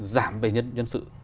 giảm về nhân sự